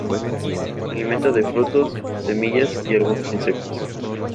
Se alimenta de frutos, semillas y algunos insectos.